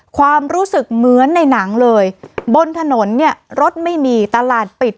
ความรู้สึกเหมือนในหนังเลยบนถนนเนี่ยรถไม่มีตลาดปิด